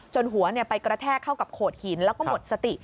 หัวไปกระแทกเข้ากับโขดหินแล้วก็หมดสติ